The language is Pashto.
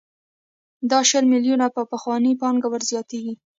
دا شل میلیونه په پخوانۍ پانګه ورزیاتېږي